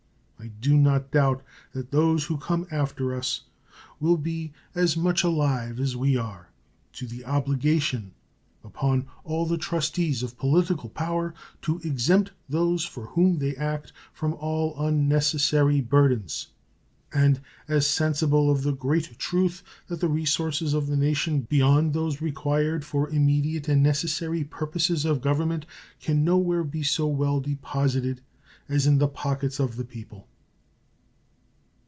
I do not doubt that those who come after us will be as much alive as we are to the obligation upon all the trustees of political power to exempt those for whom they act from all unnecessary burthens, and as sensible of the great truth that the resources of the nation beyond those required for immediate and necessary purposes of Government can no where be so well deposited as in the pockets of the people.